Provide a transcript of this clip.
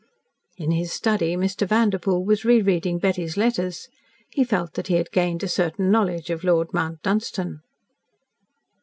In his study Mr. Vanderpoel was rereading Betty's letters. He felt that he had gained a certain knowledge of Lord Mount Dunstan.